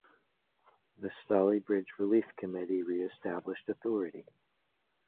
The Stalybridge relief committee re-established authority.